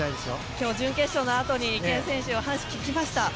今日、準決勝のあとに池江選手に話を聞きました。